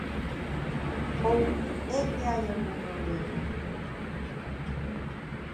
¿Ou é que hai algún problema?